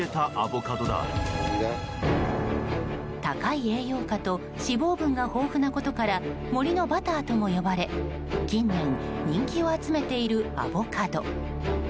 高い栄養価と脂肪分が豊富なことから森のバターとも呼ばれ近年、人気を集めているアボカド。